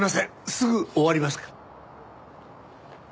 すぐ終わりますから。